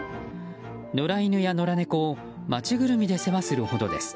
野良犬や野良猫を街ぐるみで世話するほどです。